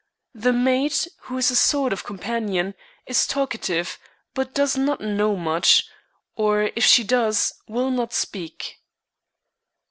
The maid, who is a sort of companion, is talkative, but does not know much, or, if she does, will not speak."